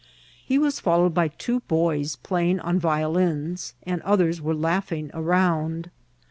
He was followed by two hojB playing on violins, and others were laughing around.